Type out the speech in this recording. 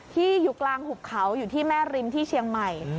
อยู่กลางหุบเขาอยู่ที่แม่ริมที่เชียงใหม่